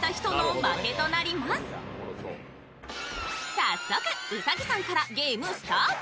早速兎さんからゲームスタート。